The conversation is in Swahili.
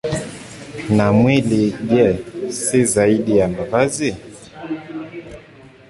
Na mwili, je, si zaidi ya mavazi?